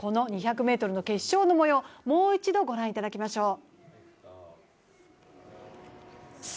この２００ｍの決勝のもよう、もう一度御覧いただきましょう。